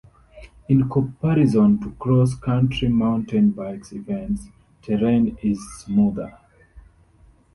In comparison to cross-country mountain bike events, terrain is smoother.